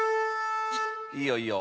いいよいいよ。